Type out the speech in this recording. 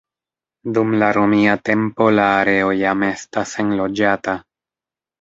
Dum la Romia tempo la areo jam estas enloĝata.